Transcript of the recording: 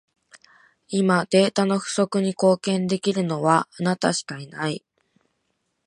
今、データの不足に貢献できるのは、あなたしかいない。